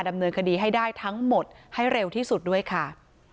ดำเนินคดีให้ได้ทั้งหมดให้เร็วที่สุดด้วยค่ะ